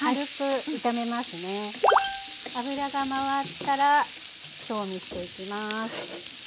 油がまわったら調味していきます。